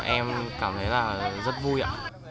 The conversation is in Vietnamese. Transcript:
em cảm thấy là rất vui ạ